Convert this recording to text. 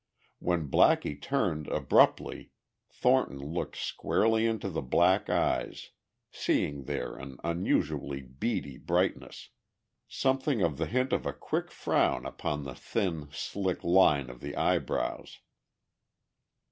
When Blackie turned abruptly Thornton looked squarely into the black eyes, seeing there an unusually beady brightness, something of the hint of a quick frown upon the thin slick line of the eyebrows.